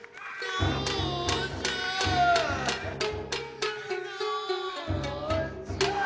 どうじゃ。